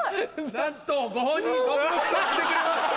なんとご本人どぶろっくが来てくれました。